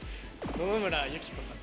野々村友紀子さん。